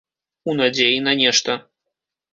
У надзеі на нешта.